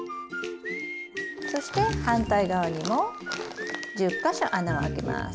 そして反対側にも１０か所穴を開けます。